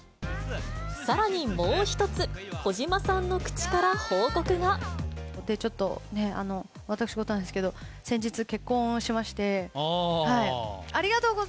さらにもう１つ、小島さんのちょっとね、私事なんですけど、先日、結婚をしまして。